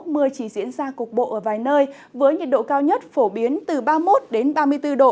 mưa chỉ diễn ra cục bộ ở vài nơi với nhiệt độ cao nhất phổ biến từ ba mươi một ba mươi bốn độ